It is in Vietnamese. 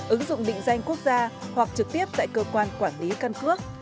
ứng dụng định danh quốc gia hoặc trực tiếp tại cơ quan quản lý căn cước